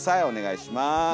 お願いします。